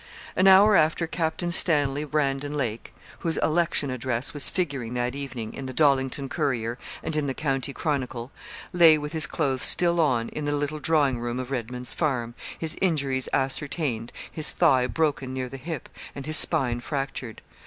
An hour after Captain Stanley Brandon Lake, whose 'election address' was figuring that evening in the 'Dollington Courier,' and in the 'County Chronicle,' lay with his clothes still on, in the little drawing room of Redman's Farm, his injuries ascertained, his thigh broken near the hip, and his spine fractured.